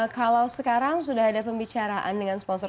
kalau sekarang sudah ada pembicaraan dengan sponsor